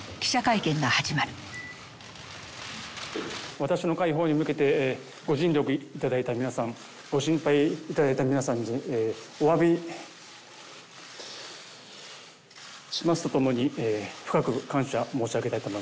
私の解放に向けてご尽力頂いた皆さんご心配頂いた皆さんにおわびしますとともに深く感謝申し上げたいと思います。